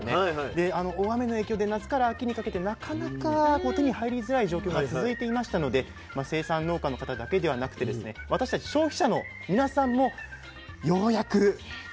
であの大雨の影響で夏から秋にかけてなかなか手に入りづらい状況が続いていましたので生産農家の方だけではなくてですね私たち消費者の皆さんもようやく。